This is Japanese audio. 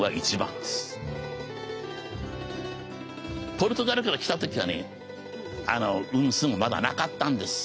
ポルトガルから来た時はね「ウン」「スン」はまだなかったんです。